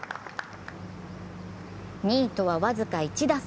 ２位とは僅か１打差。